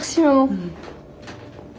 うん。